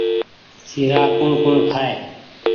سيرآ ڪوٚڻ ڪوٚڻ کآئي